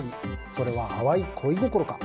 それは淡い恋心か。